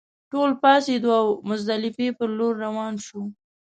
ټول پاڅېدو او مزدلفې پر لور روان شوو.